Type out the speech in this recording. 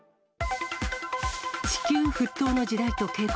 地球沸騰の時代と警告。